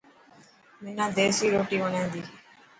حنان ديسي روٽي وڻي تي.